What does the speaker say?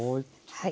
はい。